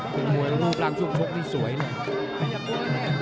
เป็นมวยรูปนล้างชุ่มชทกรนี่สวยค่ะ